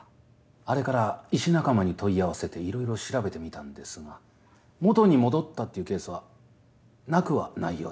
あれから医師仲間に問い合わせて色々調べてみたんですが元に戻ったっていうケースはなくはないようです。